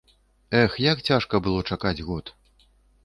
Эх, як цяжка было чакаць год.